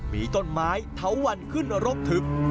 มีต้นไม้เถาวันขึ้นรกทึบ